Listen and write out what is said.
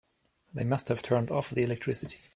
They must have turned off the electricity.